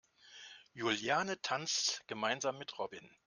Juliane tanzt gemeinsam mit Robin.